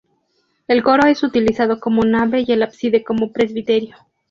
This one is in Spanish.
El coro es utilizado como nave y el ábside como presbiterio.